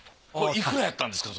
いくらやったんですか？